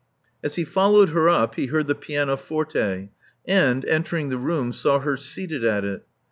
As he followed her up, he heard the pianoforte, and, entering the room, saw her seated at it.